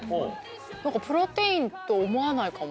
何かプロテインと思わないかも。